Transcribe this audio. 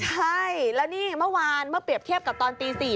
ใช่แล้วนี่เมื่อวานเมื่อเปรียบเทียบกับตอนตี๔